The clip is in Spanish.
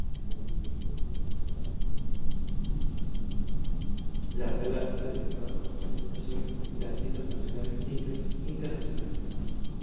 La sala está designada para presentaciones de artistas nacionales e internacionales.